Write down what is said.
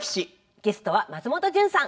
ゲストは松本潤さん。